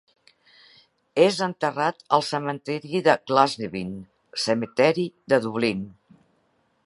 És enterrat al cementiri de Glasnevin Cemetery de Dublín.